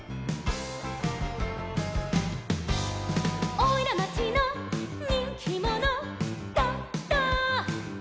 「おいらまちのにんきもの」「ドド」